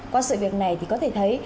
qua sự việc này thì có thể thấy